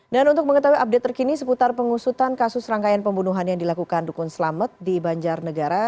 dan untuk mengetahui update terkini seputar pengusutan kasus rangkaian pembunuhan yang dilakukan dukun selamat di banjar negara